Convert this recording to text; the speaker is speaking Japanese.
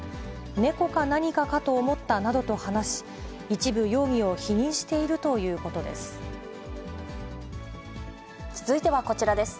猫か何かかと思ったなどと話し、一部容疑を否認しているというこ続いてはこちらです。